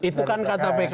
itu kan kata pks